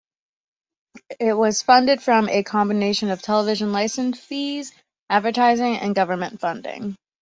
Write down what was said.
It was funded from a combination of television licence fees, advertising, and government funding.